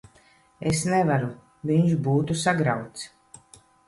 Es nevaru. Viņš būtu sagrauts.